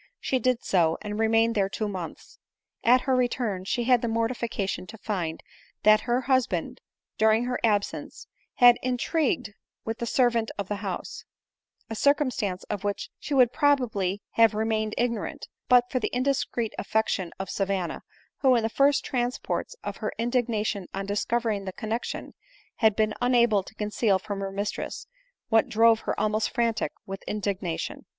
She did so, and remained there two months. At her return she had the mortification to find that her husband, during her absence, had intrigued with the ser vant of the house ; a circumstance of which she would probably have remained ignorant, but for the indiscreet affection of Savanna, who, in the first transports of her indignation on discovering the connexion, had been una ble to conceal from her mistress what drove her almost frantic with indignation.